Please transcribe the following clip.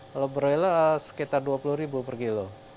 kalau broiler sekitar rp dua puluh per kilo